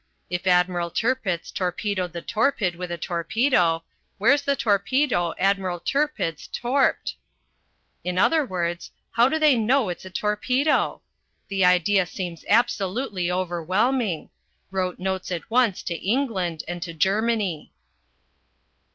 If Admiral Tirpitz torpedoed the Torpid with a torpedo, where's the torpedo Admiral Tirpitz torped? In other words, how do they know it's a torpedo? The idea seems absolutely overwhelming. Wrote notes at once to England and to Germany.